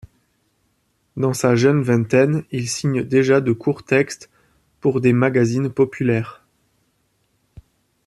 Dans sa jeune vingtaine, il signe déjà de courts textes pour des magazines populaires.